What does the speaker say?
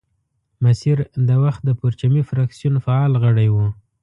مسیر د وخت د پرچمي فرکسیون فعال غړی وو.